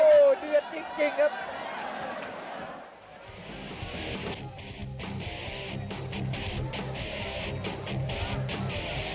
โอ้โหเดือดจริงครับ